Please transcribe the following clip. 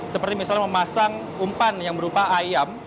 seperti misalnya memasang umpan yang berupa ayam